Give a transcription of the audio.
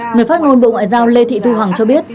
người phát ngôn bộ ngoại giao lê thị thu hằng cho biết